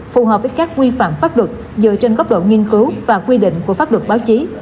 phù hợp với các quy phạm pháp luật dựa trên góc độ nghiên cứu và quy định của pháp luật báo chí